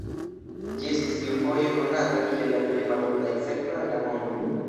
Ĝi estis iufoje konata kiel la plej malofta insekto en la mondo.